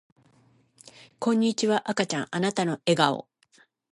こんにちは赤ちゃんあなたの笑顔